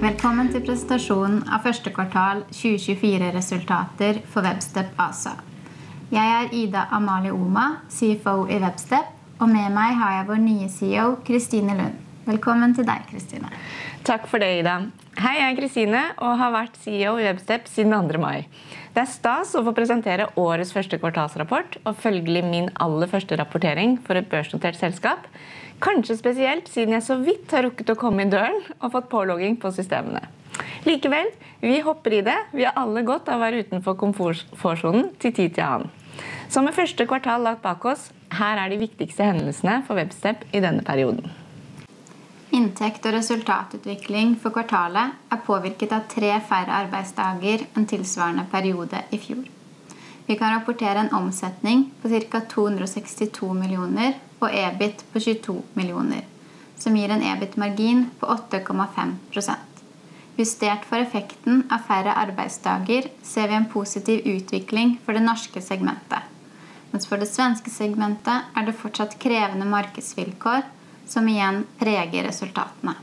Velkommen til presentasjonen av første kvartal 2024 resultater for Webstep ASA. Jeg er Ida Amalie Oma, CFO i Webstep, og med meg har jeg vår nye CEO Christine Lund. Velkommen til deg, Christine! Takk for det, Ida. Hei! Jeg er Christine og har vært CEO i Webstep siden andre mai. Det er stas å få presentere årets første kvartalsrapport og følgelig min aller første rapportering for et børsnotert selskap. Kanskje spesielt siden jeg så vidt har rukket å komme i døren og fått pålogging på systemene. Likevel, vi hopper i det. Vi har alle godt av å være utenfor komfortsonen fra tid til annen. Så med første kvartal langt bak oss, her er de viktigste hendelsene for Webstep i denne perioden. Inntekt og resultatutvikling for kvartalet er påvirket av tre færre arbeidsdager enn tilsvarende periode i fjor. Vi kan rapportere en omsetning på cirka 262 millioner og EBIT på 22 millioner, som gir en EBIT-margin på 8,5%. Justert for effekten av færre arbeidsdager, ser vi en positiv utvikling for det norske segmentet. Mens for det svenske segmentet er det fortsatt krevende markedsvilkår som igjen preger resultatene.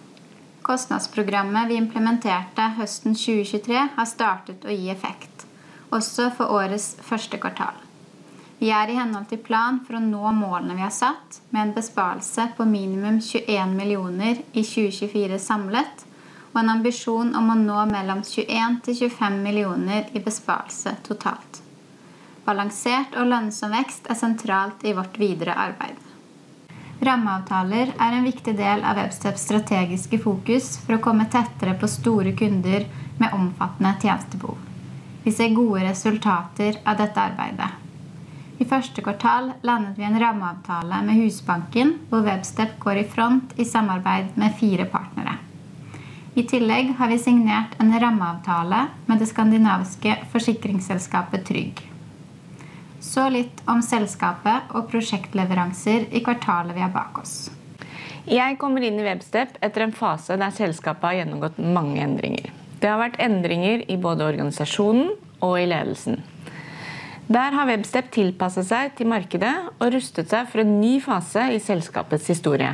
Kostnadsprogrammet vi implementerte høsten 2023, har startet å gi effekt også for årets første kvartal. Vi er i henhold til planen for å nå målene vi har satt med en besparelse på minimum 21 millioner i 2024 samlet og en ambisjon om å nå mellom 21 til 25 millioner i besparelse totalt. Balansert og lønnsom vekst er sentralt i vårt videre arbeid. Rammeavtaler er en viktig del av Websteps strategiske fokus for å komme tettere på store kunder med omfattende tjenestebehov. Vi ser gode resultater av dette arbeidet. I første kvartal landet vi en rammeavtale med Husbanken, hvor Webstep går i front i samarbeid med fire partnere. I tillegg har vi signert en rammeavtale med det skandinaviske forsikringsselskapet Tryg. Så litt om selskapet og prosjektleveranser i kvartalet vi har bak oss. Jeg kommer inn i Webstep etter en fase der selskapet har gjennomgått mange endringer. Det har vært endringer i både organisasjonen og i ledelsen. Der har Webstep tilpasset seg til markedet og rustet seg for en ny fase i selskapets historie.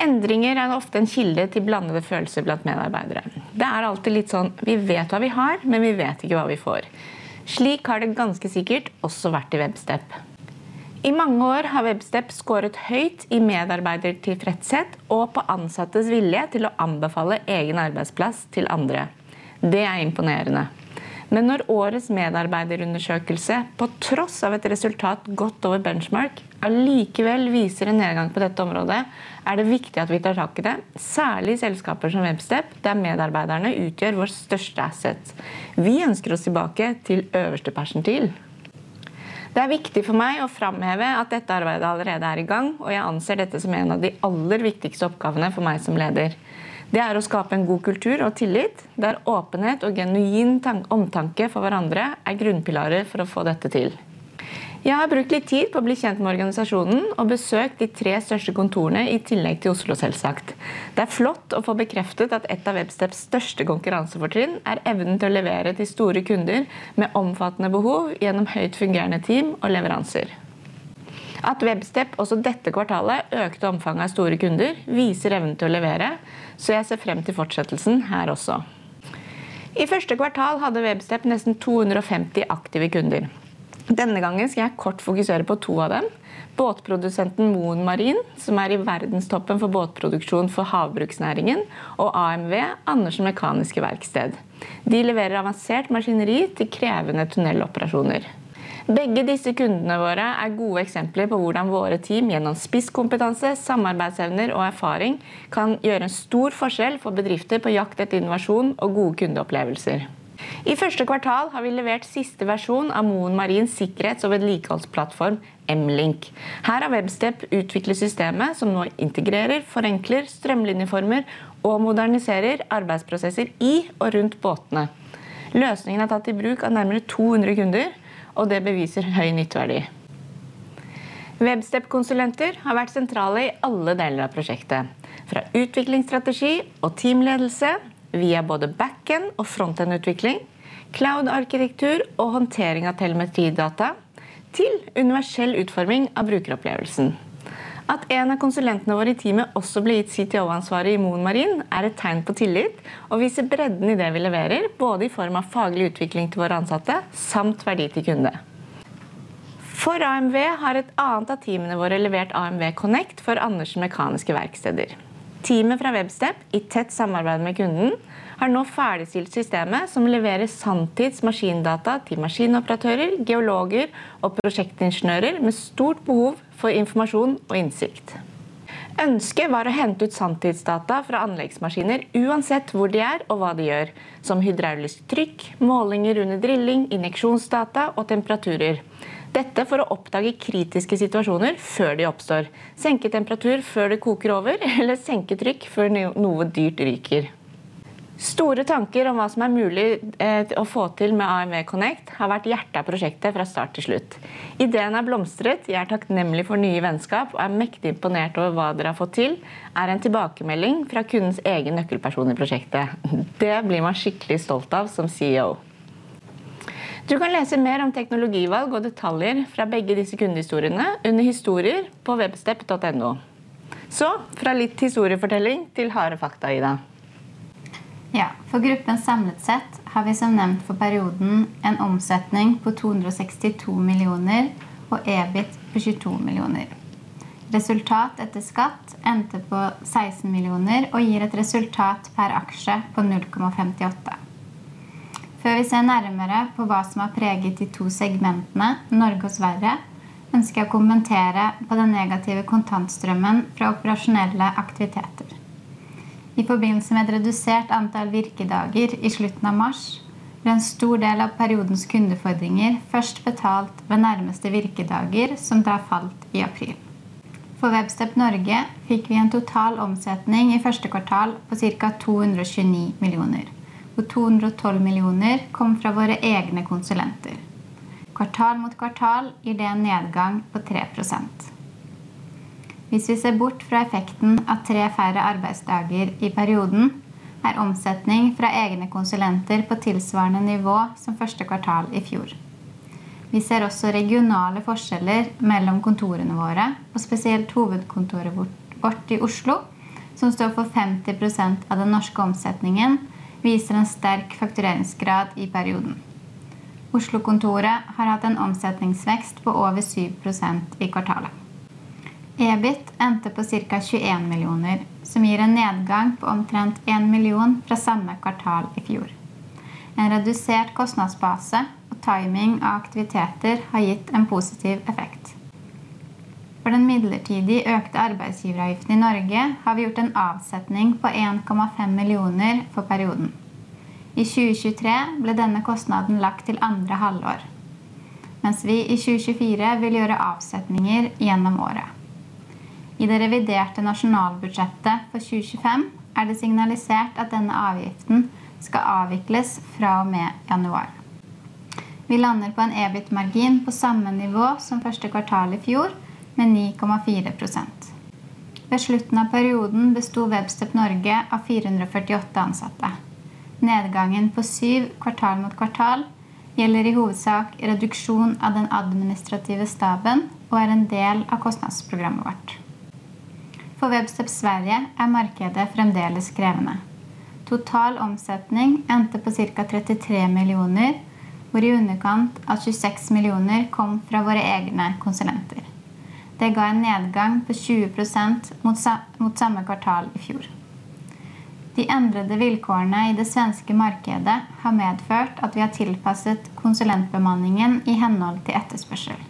Endringer er ofte en kilde til blandede følelser blant medarbeidere. Det er alltid litt sånn: vi vet hva vi har, men vi vet ikke hva vi får. Slik har det ganske sikkert også vært i Webstep. I mange år har Webstep scoret høyt i medarbeidertilfredshet og på ansattes vilje til å anbefale egen arbeidsplass til andre. Det er imponerende, men når årets medarbeiderundersøkelse, på tross av et resultat godt over benchmark, allikevel viser en nedgang på dette området, er det viktig at vi tar tak i det. Særlig i selskaper som Webstep, der medarbeiderne utgjør vår største asset. Vi ønsker oss tilbake til øverste persentil. Det er viktig for meg å fremheve at dette arbeidet allerede er i gang, og jeg anser dette som en av de aller viktigste oppgavene for meg som leder. Det er å skape en god kultur og tillit, der åpenhet og genuin omtanke for hverandre er grunnpilarer for å få dette til. Jeg har brukt litt tid på å bli kjent med organisasjonen og besøkt de tre største kontorene, i tillegg til Oslo selvsagt. Det er flott å få bekreftet at et av Websteps største konkurransefortrinn er evnen til å levere til store kunder med omfattende behov gjennom høyt fungerende team og leveranser. At Webstep også dette kvartalet økte omfanget av store kunder, viser evnen til å levere. Jeg ser frem til fortsettelsen her også. I første kvartal hadde Webstep nesten to hundre og femti aktive kunder. Denne gangen skal jeg kort fokusere på to av dem. Båtprodusenten Moen Marine, som er i verdenstoppen for båtproduksjon for havbruksnæringen og AMV, Andersen Mekaniske Verksted. De leverer avansert maskineri til krevende tunneloperasjoner. Begge disse kundene våre er gode eksempler på hvordan våre team gjennom spisskompetanse, samarbeidsevner og erfaring kan gjøre en stor forskjell for bedrifter på jakt etter innovasjon og gode kundeopplevelser. I første kvartal har vi levert siste versjon av Moen Marine sikkerhets- og vedlikeholdsplattform, M Link. Her har Webstep utviklet systemet som nå integrerer, forenkler, strømlinjeformer og moderniserer arbeidsprosesser i og rundt båtene. Løsningen er tatt i bruk av nærmere to hundre kunder, og det beviser høy nytteverdi. Webstep konsulenter har vært sentrale i alle deler av prosjektet, fra utviklingsstrategi og teamledelse, via både backend og frontend utvikling, cloud arkitektur og håndtering av telemetridata til universell utforming av brukeropplevelsen. At en av konsulentene våre i teamet også blir gitt CTO-ansvaret i Moen Marine, er et tegn på tillit og viser bredden i det vi leverer, både i form av faglig utvikling til våre ansatte samt verdi til kunde. For AMV har et annet av teamene våre levert AMV Connect for Andersen Mekaniske Verksteder. Teamet fra Webstep, i tett samarbeid med kunden, har nå ferdigstilt systemet som leverer sanntids maskindata til maskinoperatører, geologer og prosjektingeniører med stort behov for informasjon og innsikt. Ønsket var å hente ut sanntidsdata fra anleggsmaskiner, uansett hvor de er og hva de gjør. Som hydraulisk trykk, målinger under drilling, injeksjonsdata og temperaturer. Dette for å oppdage kritiske situasjoner før de oppstår. Senke temperatur før det koker over eller senke trykk før noe dyrt ryker. Store tanker om hva som er mulig å få til med AMV Connect har vært hjertet i prosjektet fra start til slutt. Ideene har blomstret. "Jeg er takknemlig for nye vennskap og er mektig imponert over hva dere har fått til", er en tilbakemelding fra kundens egen nøkkelperson i prosjektet. Det blir man skikkelig stolt av som CEO. Du kan lese mer om teknologivalg og detaljer fra begge disse kundehistoriene under Historier på Webstep.no. Så fra litt historiefortelling til harde fakta, Ida. Ja, for gruppen samlet sett har vi som nevnt for perioden en omsetning på 262 millioner og EBIT på 22 millioner. Resultat etter skatt endte på 16 millioner og gir et resultat per aksje på 0,58. Før vi ser nærmere på hva som har preget de to segmentene, Norge og Sverige, ønsker jeg å kommentere på den negative kontantstrømmen fra operasjonelle aktiviteter. I forbindelse med et redusert antall virkedager i slutten av mars, ble en stor del av periodens kundefordringer først betalt ved nærmeste virkedager, som da falt i april. For Webstep Norge fikk vi en total omsetning i første kvartal på cirka 229 millioner, hvor 212 millioner kom fra våre egne konsulenter. Kvartal mot kvartal gir det en nedgang på 3%. Hvis vi ser bort fra effekten av tre færre arbeidsdager i perioden, er omsetning fra egne konsulenter på tilsvarende nivå som første kvartal i fjor. Vi ser også regionale forskjeller mellom kontorene våre, og spesielt hovedkontoret vårt i Oslo, som står for 50% av den norske omsetningen, viser en sterk faktureringsgrad i perioden. Oslo kontoret har hatt en omsetningsvekst på over 7% i kvartalet. EBIT endte på cirka NOK 21 millioner, som gir en nedgang på omtrent NOK 1 million fra samme kvartal i fjor. En redusert kostnadsbase og timing av aktiviteter har gitt en positiv effekt. For den midlertidig økte arbeidsgiveravgiften i Norge har vi gjort en avsetning på NOK 1,5 millioner for perioden. I 2023 ble denne kostnaden lagt til andre halvår, mens vi i 2024 vil gjøre avsetninger gjennom året. I det reviderte nasjonalbudsjettet for 2025 er det signalisert at denne avgiften skal avvikles fra og med januar. Vi lander på en EBIT-margin på samme nivå som første kvartal i fjor, med 9,4%. Ved slutten av perioden bestod Webstep Norge av fire hundre og førtiåtte ansatte. Nedgangen på syv kvartal mot kvartal gjelder i hovedsak reduksjon av den administrative staben, og er en del av kostnadsprogrammet vårt. For Webstep Sverige er markedet fremdeles krevende. Total omsetning endte på cirka 33 millioner, hvor i underkant av 26 millioner kom fra våre egne konsulenter. Det ga en nedgang på 20% mot samme kvartal i fjor. De endrede vilkårene i det svenske markedet har medført at vi har tilpasset konsulentbemanningen i henhold til etterspørsel.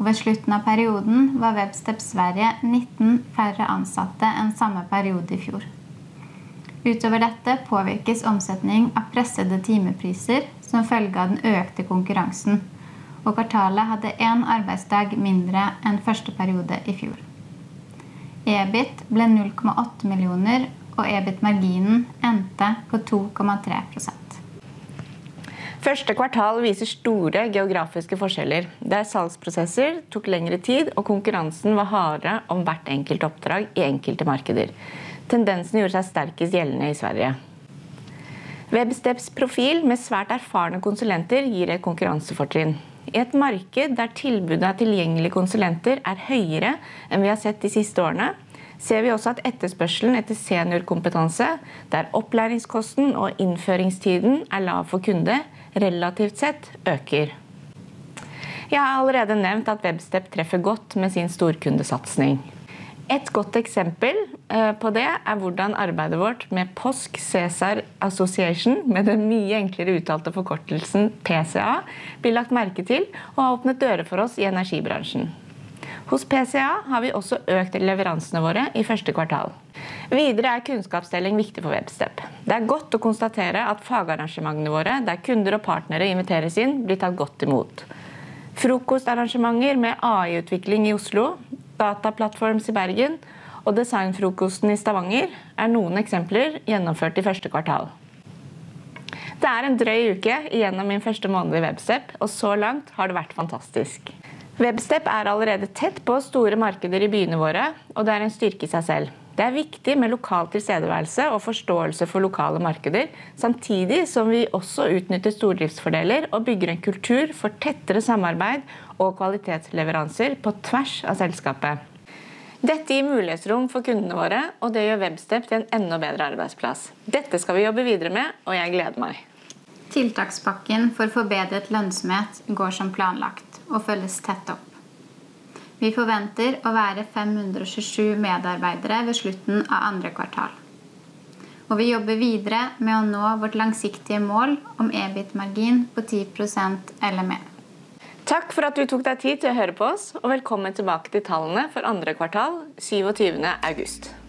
Ved slutten av perioden var Webstep Sverige nitten færre ansatte enn samme periode i fjor. Utover dette påvirkes omsetning av pressede timepriser som følge av den økte konkurransen. Kvartalet hadde en arbeidsdag mindre enn første periode i fjor. EBIT ble 0,8 millioner og EBIT-marginen endte på 2,3%. Første kvartal viser store geografiske forskjeller, der salgsprosesser tok lengre tid og konkurransen var hardere om hvert enkelt oppdrag i enkelte markeder. Tendensen gjorde seg sterkest gjeldende i Sverige. Websteps profil med svært erfarne konsulenter gir et konkurransefortrinn. I et marked der tilbudet av tilgjengelige konsulenter er høyere enn vi har sett de siste årene, ser vi også at etterspørselen etter seniorkompetanse, der opplæringskosten og innføringstiden er lav for kunde relativt sett øker. Jeg har allerede nevnt at Webstep treffer godt med sin storkundesatsing. Et godt eksempel på det er hvordan arbeidet vårt med POSC Caesar Association, med den mye enklere uttalte forkortelsen PCA, blir lagt merke til og har åpnet dører for oss i energibransjen. Hos PCA har vi også økt leveransene våre i første kvartal. Videre er kunnskapsdeling viktig for Webstep. Det er godt å konstatere at fagarrangementene våre, der kunder og partnere inviteres inn, blir tatt godt imot. Frokostarrangementer med AI-utvikling i Oslo, Dataplatforms i Bergen og Designfrokosten i Stavanger er noen eksempler gjennomført i første kvartal. Det er en drøy uke gjennom min første måned i Webstep, og så langt har det vært fantastisk. Webstep er allerede tett på store markeder i byene våre, og det er en styrke i seg selv. Det er viktig med lokal tilstedeværelse og forståelse for lokale markeder, samtidig som vi også utnytter stordriftsfordeler og bygger en kultur for tettere samarbeid og kvalitetsleveranser på tvers av selskapet. Dette gir mulighetsrom for kundene våre, og det gjør Webstep til en enda bedre arbeidsplass. Dette skal vi jobbe videre med, og jeg gleder meg. Tiltakspakken for forbedret lønnsomhet går som planlagt og følges tett opp. Vi forventer å være fem hundre og tjuesyv medarbeidere ved slutten av andre kvartal, og vi jobber videre med å nå vårt langsiktige mål om EBIT-margin på 10% eller mer. Takk for at du tok deg tid til å høre på oss, og velkommen tilbake til tallene for andre kvartal 27. august.